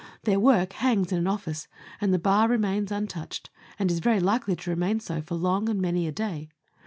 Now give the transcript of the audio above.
Their work hangs in an office, and the bar remains untouched, and is very likely to remain so for long and many a day.